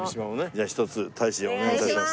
じゃあひとつ大使お願い致します。